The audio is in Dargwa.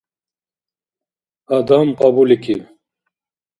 Адам кьабуликиб.